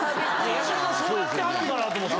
八代さんそうやってはるんかなと思て。